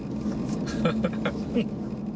ハハハ。